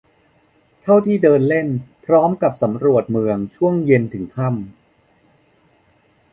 เท่าที่เดินเล่นพร้อมกับสำรวจเมืองช่วงเย็นถึงค่ำ